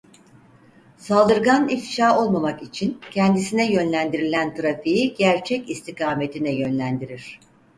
Saldırgan ifşa olmamak için kendisine yönlendirilen trafiği gerçek istikametine yönlendirir.